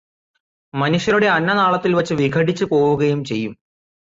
മനുഷ്യരുടെ അന്നനാളത്തിൽ വെച്ചു വിഘടിച്ചു പോവുകയും ചെയ്യും.